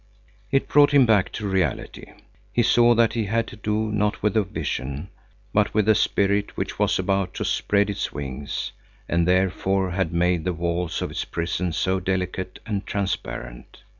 It brought him back to reality. He saw that he had to do not with a vision, but with a spirit which was about to spread its wings, and therefore had made the walls of its prison so delicate and transparent.